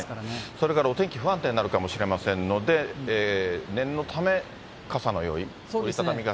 それからお天気不安定になるかもしれませんので、念のため、傘の用意、折り畳み傘。